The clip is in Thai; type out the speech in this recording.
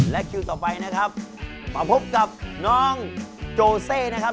และฉันกับเธอจะไปด้วยกัน